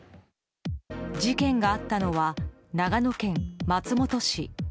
事件があったのは長野県松本市。